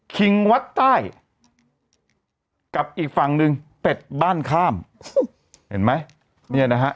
คิงวัดใต้กับอีกฝั่งหนึ่งเป็ดบ้านข้ามเห็นไหมเนี่ยนะฮะ